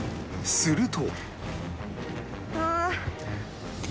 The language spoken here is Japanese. すると